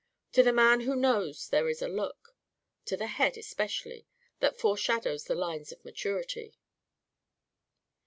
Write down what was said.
To the man who knows, there is a look to the head, especially that foreshadows the lines of maturity.